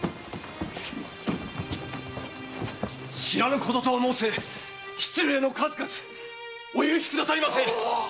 知らぬこととは申せ失礼の数々お許しくださいませ！